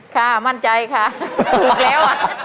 ค่ะมั่นใจค่ะถูกแล้ว